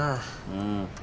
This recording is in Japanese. うん。